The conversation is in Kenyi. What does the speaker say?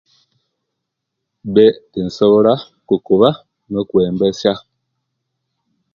Be tinsobola okuba nokwembesya